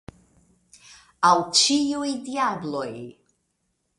Al ĉiuj diabloj!